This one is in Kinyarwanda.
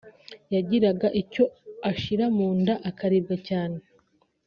yagiraga icyo ashyira mu nda akaribwa cyane